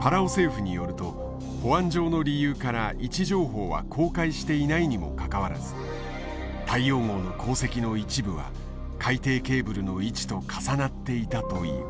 パラオ政府によると保安上の理由から位置情報は公開していないにもかかわらず大洋号の航跡の一部は海底ケーブルの位置と重なっていたという。